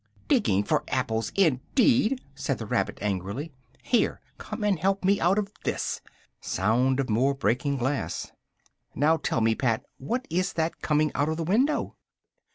"Digging for apples indeed!" said the rabbit angrily, "here, come and help me out of this!" Sound of more breaking glass. "Now, tell me, Pat, what is that coming out of the window?"